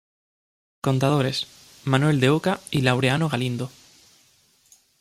Contadores: Manuel de Oca y Laureano Galindo.